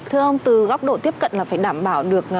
thưa ông từ góc độ tiếp cận là phải đảm bảo được